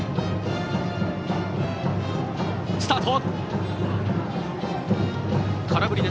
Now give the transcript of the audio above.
スタート！